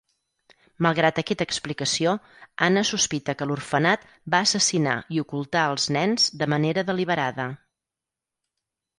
Malgrat aquesta explicació, Anna sospita que l'orfenat va assassinar i ocultar els nens de manera deliberada.